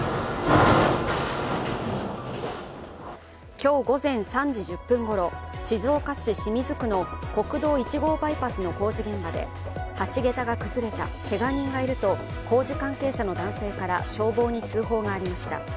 今日午前３時１０分ごろ、静岡市清水区の国道１号バイパスの工事現場で橋桁が崩れた、けが人がいると工事関係者の男性から消防に通報がありました。